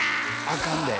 あかんで。